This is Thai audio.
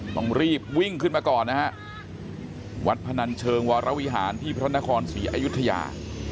ต้องรีบวิ่งขึ้นมาก่อนนะฮะวัดพนันเชิงวรวิหารที่พระนครศรีอยุธยา